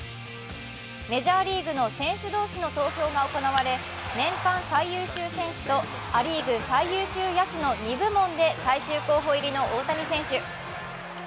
メジャーリーグの選手同士の投票が行われ年間最優秀選手とア・リーグ最優秀野手の２部門で最終候補入りの大谷選手。